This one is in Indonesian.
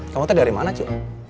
kamu tuh dari mana cu